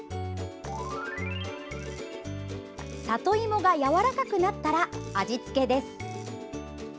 里芋がやわらかくなったら味付けです。